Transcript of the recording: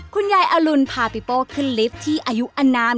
ยายอรุณพาปิโป้ขึ้นลิฟต์ที่อายุอนาม